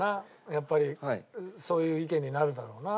やっぱりそういう意見になるだろうな。